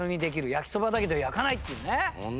焼きそばだけど焼かないっていうね。